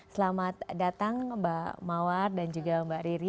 selamat datang mbak mawar dan juga mbak riri